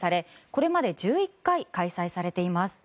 これまで１１回開催されています。